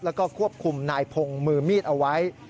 แล้วก็ควบคุมนายพงศ์มือมีดเอาไว้